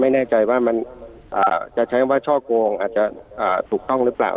ไม่แน่ใจว่าช่องกวงจะถูกต้องหรือเปล่า